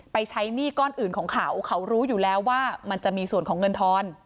ใช้หนี้ก้อนอื่นของเขาเขารู้อยู่แล้วว่ามันจะมีส่วนของเงินทอน